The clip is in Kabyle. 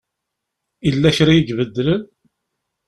Yella kra i ibeddlen?